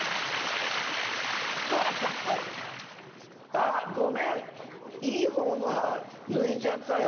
あっごめんいい方の歯抜いちゃったよ。